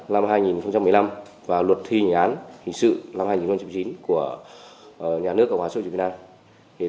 luật tạm giam năm hai nghìn một mươi năm và luật thi hình án hình sự năm hai nghìn một mươi chín của nhà nước cộng hòa xã hội chủ nghĩa việt nam